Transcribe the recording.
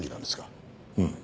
うん。